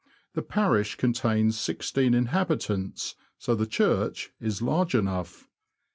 The parish contains sixteen inhabitants, so the church is large enough.